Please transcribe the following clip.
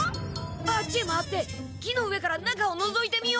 あっちへ回って木の上から中をのぞいてみよう！